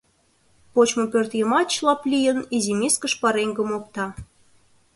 Почмо пӧртйымач, лап лийын, изи мискыш пареҥгым опта.